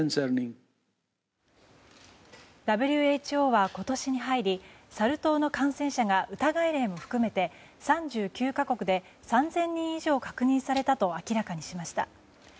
ＷＨＯは今年に入りサル痘の感染者が疑い例も含めて３９か国で３０００人以上確認されたと明らかにしました。